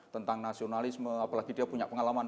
tentang nasionalisme apalagi dia punya pengalaman